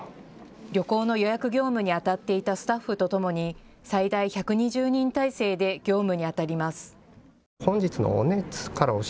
旅行の予約業務にあたっていたスタッフとともに最大１２０人体制で業務にあたります。